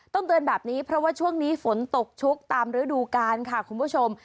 เตือนแบบนี้เพราะว่าช่วงนี้ฝนตกชุกตามฤดูกาลค่ะคุณผู้ชม